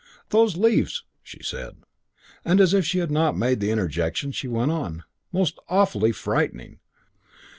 "Those leaves!" she said. And as if she had not made the interjection she went on, "Most awfully frightening.